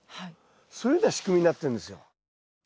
そういうふうな仕組みになってるんですよ。